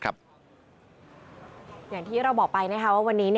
อย่างที่เราบอกไปว่าวันนี้